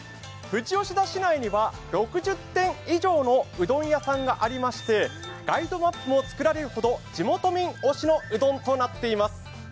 富士吉田市内には６０店以上のうどん屋さんがありまして、ガイドマップも作られるほど地元民推しのうどんとなっています。